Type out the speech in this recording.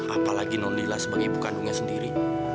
apalagi non lila sebagai ibu kandungnya sendiri